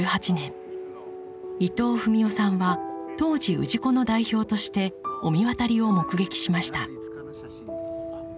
伊藤文夫さんは当時氏子の代表として御神渡りを目撃しました。